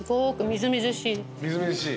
みずみずしい？